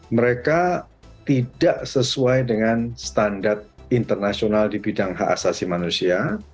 mereka tidak sesuai dengan standar internasional di bidang hak asasi manusia